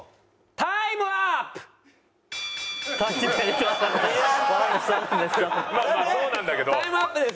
タイムアップです。